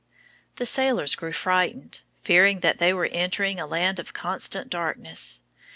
The sailors grew frightened, fearing that they were entering a land of constant darkness.